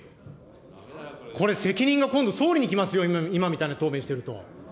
これ責任が今度、総理に来ますよ、今みたいな答弁してると。